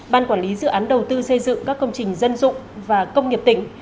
ban quản lý dự án đầu tư xây dựng các công trình dân dụng và công nghiệp tỉnh